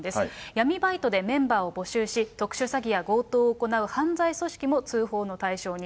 闇バイトでメンバーを募集し、特殊詐欺や強盗を行う犯罪組織も、通報の対象に。